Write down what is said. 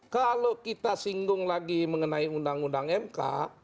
kalau kita singgung lagi mengenai undang undang mk